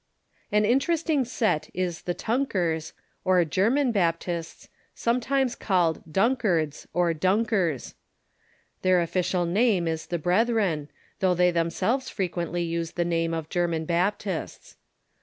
An interesting sect is the Tunkers, or German Baptists, sometimes called Dunkards, or Dunkers. Their official name is The Brethren, thou2;h they themselves frequently The Tunkers ... use the name German Baptists.